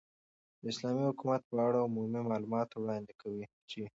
، داسلامې حكومت په اړه عمومي معلومات وړاندي كوو چې